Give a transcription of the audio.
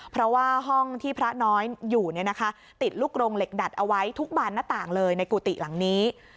เพราะว่าห้องที่พระน้อยอยู่ติดลูกโรงเหล็กดัดเอาไว้ทุกบานหน้าต่างเลยในกุฏิหลังนี้